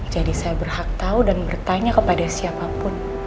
jadi saya berhak tahu dan bertanya kepada siapapun